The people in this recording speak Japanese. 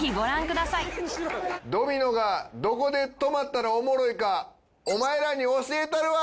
「ドミノがどこで止まったらおもろいかお前らに教えたるわ」。